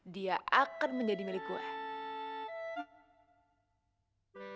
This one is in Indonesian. dia akan menjadi milik gue